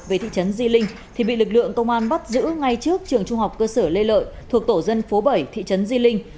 về thị trấn di linh thì bị lực lượng công an bắt giữ ngay trước trường trung học cơ sở lê lợi thuộc tổ dân phố bảy thị trấn di linh